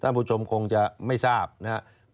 ท่านผู้ชมคงจะไม่ทราบนะฮะ